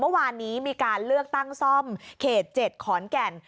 เมื่อวานนี้มีการเลือกตั้งซ่อมเขต๗ขอนแก่น